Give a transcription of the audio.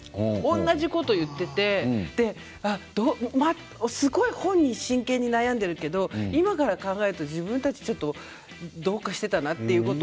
同じこと言っていて本人、真剣に悩んでいるけど今から考えると自分たちどうかしていたなということ。